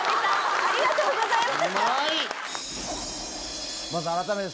ありがとうございます。